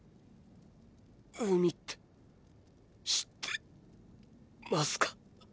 海って知ってますか？